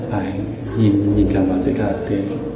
phải nhìn cảm ơn sự thật